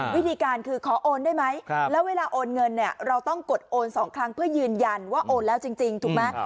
วิธีการคือขอโอนได้ไหมแล้วเวลาโอนเงินเนี่ยเราต้องกดโอน๒ครั้งเพื่อยืนยันว่าโอนแล้วจริงถูกไหม